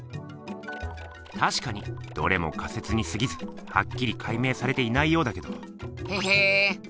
たしかにどれも仮説にすぎずハッキリ解明されていないようだけど。へへっ！